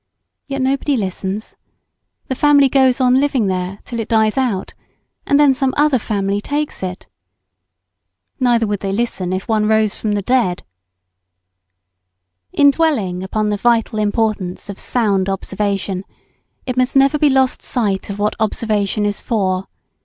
yet nobody listens, the family goes on living there till it dies out, and then some other family takes it. Neither would they listen "if one rose from the dead." [Sidenote: What observation is for.] In dwelling upon the vital importance of sound observation, it must never be lost sight of what observation is for.